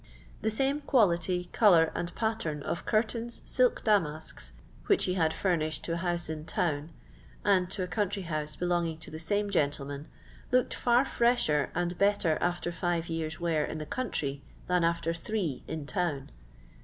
The same quality, colour, and pattern of cur^ tains, silk damasks, which he had furnished to a house in town, and to a country house belonging to the same gentleman, looked far fresher and better after fire years' wear in the country than after three in town.